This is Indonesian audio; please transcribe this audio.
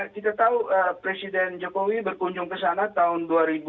kita tahu presiden jokowi berkunjung ke sana tahun dua ribu dua puluh